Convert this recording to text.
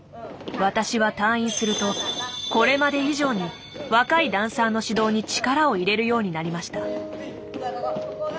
私は退院するとこれまで以上に若いダンサーの指導に力を入れるようになりました。